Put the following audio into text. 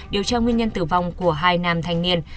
điều tra nguyên nhân tử vong của hai nam thanh niên